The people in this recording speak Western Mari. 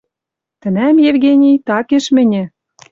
Тӹнӓм, Евгений, такеш мӹньӹ